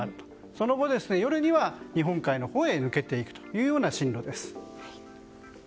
その後、夜には日本海のほうへ抜けていくという進路です。